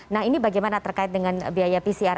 nah ini bagaimana terkait dengan biaya pcr